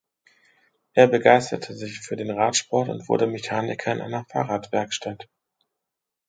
Er begeisterte sich für den Radsport und wurde Mechaniker in einer Fahrradwerkstatt.